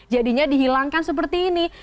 jadinya dihilangkan seperti ini